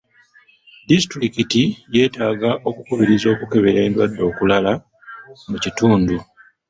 Disitulikiti yetaaga okukubiriza okukebera endwadde okulala mu kitundu.